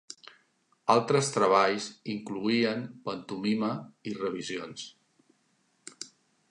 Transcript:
Altres treballs incloïen pantomima i revisions.